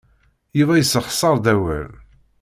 Yuba yessexṣar-d awal.